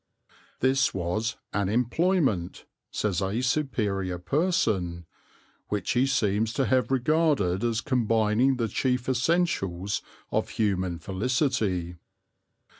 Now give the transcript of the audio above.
This was "an employment," says a superior person, "which he seems to have regarded as combining the chief essentials of human felicity."